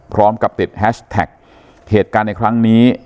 พร้อมกับติดแฮชแท็กเหตุการณ์ในครั้งนี้